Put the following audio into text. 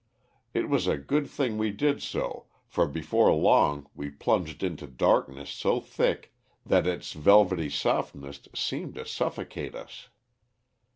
It was a good thing we did so, for before long we plunged into darkness so thick that its velvety softness seemed to suffocate us.